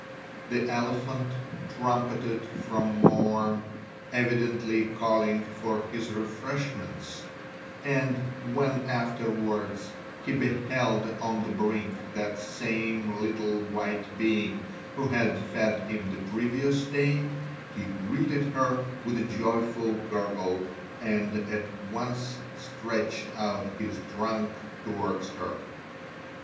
The elephant trumpeted from morn, evidently calling for his refreshments, and when afterwards he beheld on the brink that same little white being who had fed him the previous day, he greeted her with a joyful gurgle and at once stretched out his trunk towards her.